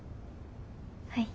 はい。